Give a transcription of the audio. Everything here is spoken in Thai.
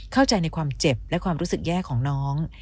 เข้าใจในความเจ็บและความรู้สึกแย่ของน้อง